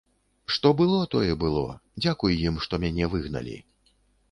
Што было, тое было, дзякуй ім, што мяне выгналі.